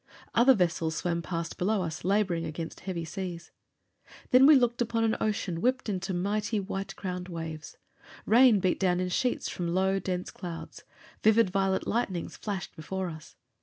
Other vessels swam past below us, laboring against heavy seas. Then we looked upon an ocean whipped into mighty white crowned waves. Rain beat down in sheets from low dense clouds; vivid violet lightnings flashed before us.